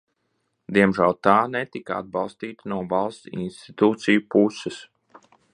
Diemžēl tā netika atbalstīta no valsts institūciju puses.